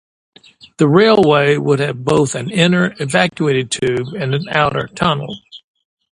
The railway would have both an inner evacuated tube and an outer tunnel.